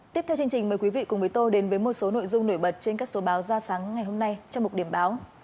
tiếp theo chương trình mời quý vị cùng với tôi đến với một số nội dung nổi bật trên các số báo ra sáng ngày hôm nay trong một điểm báo